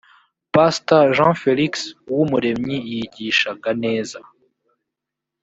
pastor jean felix uwumuremyi yigishaga neza.